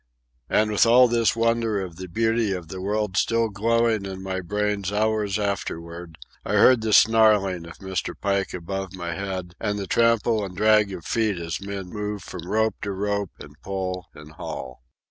And with all this wonder of the beauty of the world still glowing in my brain hours afterward, I hear the snarling of Mr. Pike above my head, and the trample and drag of feet as the men move from rope to rope and pull and haul.